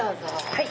はい。